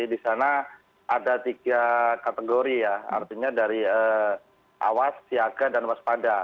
di sana ada tiga kategori ya artinya dari awas siaga dan waspada